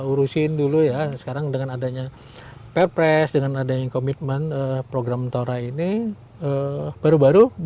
urusin dulu ya sekarang dengan adanya perpres dengan adanya komitmen program tora ini baru baru